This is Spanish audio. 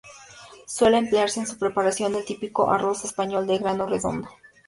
Suele emplearse en su preparación el típico arroz español de grano redondo.